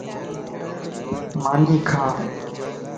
ماني کا